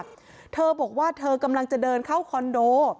เธอบอกว่าเธอกำลังจะเดินเข้าคอนโด